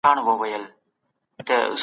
پانګه د کار د سختۍ کچه راکموي.